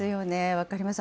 分かります。